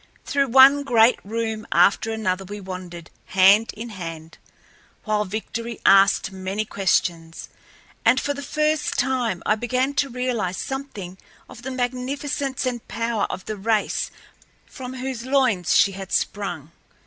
Through one great room after another we wandered, hand in hand, while Victory asked many questions and for the first time I began to realize something of the magnificence and power of the race from whose loins she had sprung.